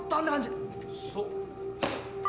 そう。